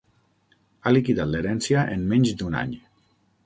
Ha liquidat l'herència en menys d'un any.